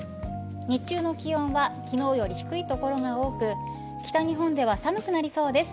日中の気温は昨日より低い所が多く北日本では寒くなりそうです。